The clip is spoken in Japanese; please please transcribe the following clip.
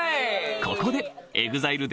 ここでＥＸＩＬＥ